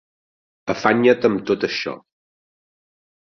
Afanya't amb tot això.